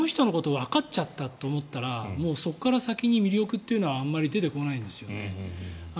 僕、この人のことわかっちゃったって思ったらそこから先に魅力というのはあまり出てこないんですよね。